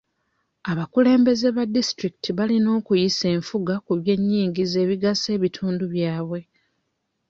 Abakulembeze ba disitulikiti balina okuyisa enfuga ku by'ennyingiza ebigasa ebitundu byabwe.